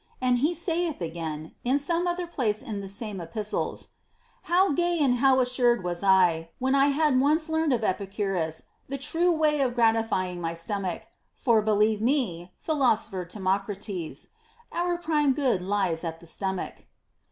And he saith again, in some other place in the same epistles: How gay and how assured was I, when I had once learned of Epicurus the true way of gratifying my stomach ; for, believe me, philosopher Timocrates, our prime good lies at the stomach.